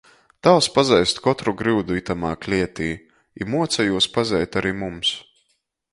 Tāvs pazeist kotru gryudu itamā klietī i muoca jūs pazeit ari mums.